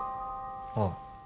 ああ